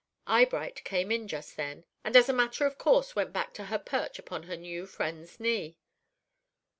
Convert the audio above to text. Eyebright came in just then, and as a matter of course went back to her perch upon her new friend's knee.